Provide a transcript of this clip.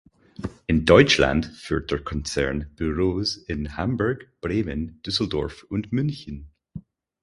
In Deutschland führt der Konzern Büros in Hamburg, Bremen, Düsseldorf und München.